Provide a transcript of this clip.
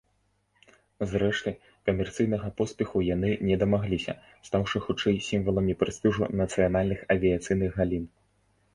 Зрэшты, камерцыйнага поспеху яны не дамагліся, стаўшы хутчэй сімваламі прэстыжу нацыянальных авіяцыйных галін.